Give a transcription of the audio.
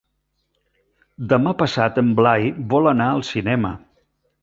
Demà passat en Blai vol anar al cinema.